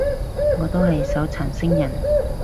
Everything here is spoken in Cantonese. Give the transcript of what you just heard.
我都係手殘星人